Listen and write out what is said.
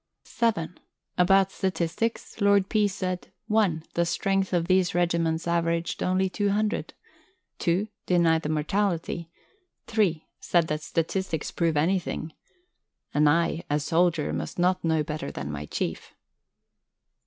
(7) About Statistics, Lord P. said (i.) the strength of these regiments averaged only 200, (ii.) denied the mortality, (iii.) said that statistics prove anything. And I, a soldier, must not know better than my Chief.